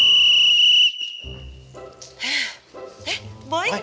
tidak ada kesel keselan